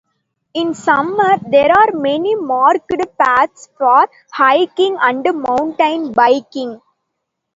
In summer there are many marked paths for hiking and mountain biking.